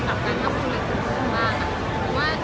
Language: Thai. ช่องความหล่อของพี่ต้องการอันนี้นะครับ